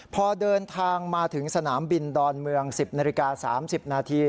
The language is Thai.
พอเดินทางมาถึงสนามบินดอนเมือง๑๐นาฬิกา๓๐นาที